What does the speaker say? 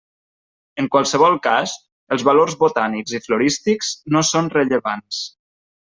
En qualsevol cas, els valors botànics i florístics no són rellevants.